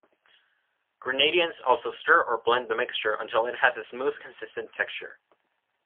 Grenadians also stir or blend the mixture until it has a smooth consistent texture.